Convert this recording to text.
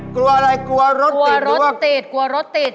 กลัวอะไรกลัวรถติดหรือว่ากลัวรถติด